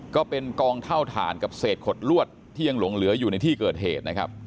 ก็เป็นกองเท่าฐานกับเศษขดลวดที่ยังหลงเหลืออยู่ในที่เกิดเหตุนะครับ